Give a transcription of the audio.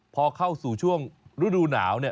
พอเข้าสู่ช่วงฤดูหนาว